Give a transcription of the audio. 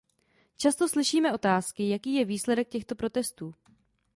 Často slyšíme otázky, jaký je výsledek těchto protestů.